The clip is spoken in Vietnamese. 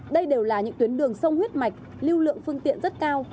đây đều là những tuyến đường sông huyết mạch lưu lượng phương tiện rất cao